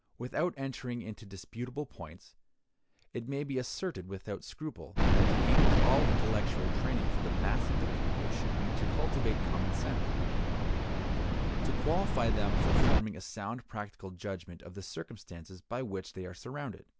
Without entering into disputable points, it may be asserted without scruple that the aim of all intellectual training for the mass of the people should be to cultivate common sense; to qualify them for forming a sound practical judgment of the circumstances by which they are surrounded.